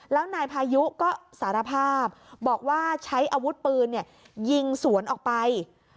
แล้วนายพายุก็สารภาพบอกว่าใช้อาวุธปืนยิงสวนออกไป